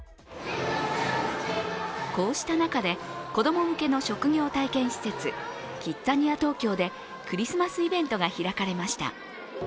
こうした中で子ども向けの職業体験施設、キッザニア東京でクリスマスイベントが開かれました。